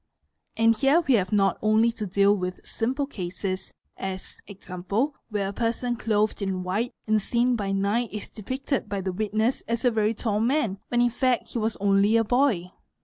And here we have not only to deal with simple cases as, e.g., Where a person clothed in white and seen by night is depicted by the witness as a very tall man, when in fact he was only a boy.